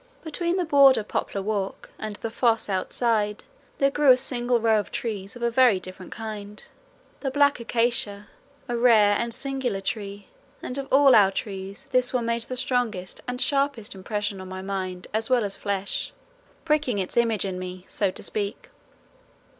Between the border poplar walk and the foss outside, there grew a single row of trees of a very different kind the black acacia, a rare and singular tree, and of all our trees this one made the strongest and sharpest impression on my mind as well as flesh, pricking its image in me, so to speak.